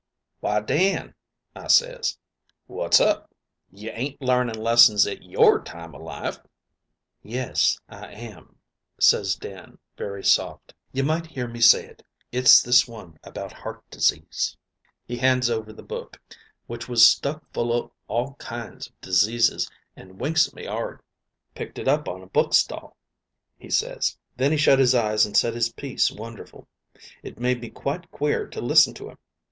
"Why, Dan,' I ses, 'what's up? you ain't larning lessons at your time o' life?" "'Yes, I am,' ses Dan very soft. 'You might hear me say it, it's this one about heart disease.' "He hands over the book, which was stuck full o' all kinds o' diseases, and winks at me 'ard. "'Picked it up on a book stall,' he ses; then he shut 'is eyes an' said his piece wonderful. It made me quite queer to listen to 'im.